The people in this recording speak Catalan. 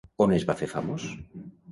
On es va fer famós?